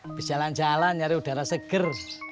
abis jalan jalan nyari udara seger